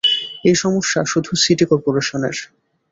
এই সমস্যা শুধু সিটি করপোরেশনের